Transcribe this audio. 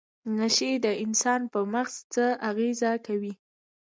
نشې د انسان په مغز څه اغیزه کوي؟